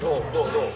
どう？